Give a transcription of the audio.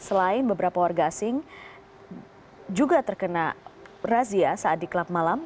selain beberapa warga asing juga terkena razia saat di klub malam